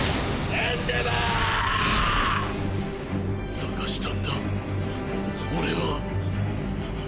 捜したんだ俺は